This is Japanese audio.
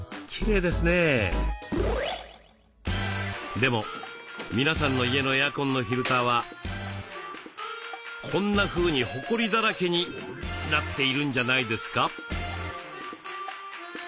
でも皆さんの家のエアコンのフィルターはこんなふうにホコリだらけになっているんじゃないですか？